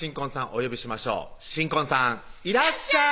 お呼びしましょう新婚さんいらっしゃい！